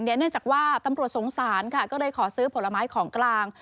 เนื่องจากว่าตำรวจสงสารค่ะก็เลยขอซื้อผลไม้ของกลาง